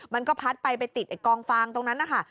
มันก็พัดไปติดกองคว้างตรงนั้นน่ะค่ะ